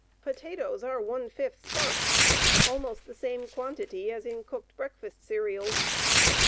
Potatoes are one fifth starch almost the same quantity as in cooked breakfast cereals.